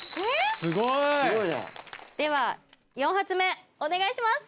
すごいすごいねでは４発目お願いします